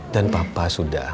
dan papa sudah